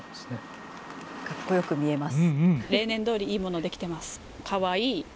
かっこよく見えます。